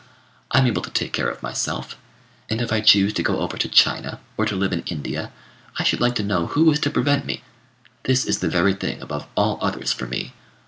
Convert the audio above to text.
I'm able to take care of myself; and, if I choose to go over to China, or to live in India, I should like to know who is to prevent me? This is the very thing above all others for me.